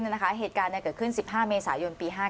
อันดับที่สุดท้าย